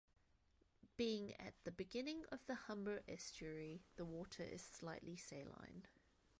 Being at the beginning of the Humber estuary, the water is slightly saline.